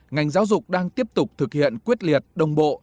ngành giáo dục đang tiếp tục thực hiện quyết liệt đồng bộ